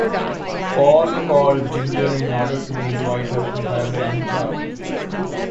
Paul called Ginger in order to invite her to have lunch out.